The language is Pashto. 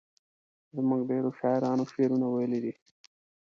زموږ ډیرو شاعرانو شعرونه ویلي دي.